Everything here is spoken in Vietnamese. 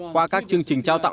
qua các chương trình trao tạo